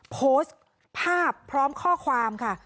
โพสต์ภาพพร้อมข้อความค่ะ